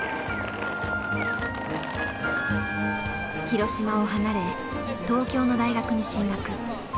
広島を離れ東京の大学に進学。